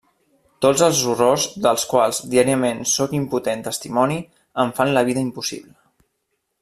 Tots els horrors, dels quals diàriament sóc impotent testimoni, em fan la vida impossible.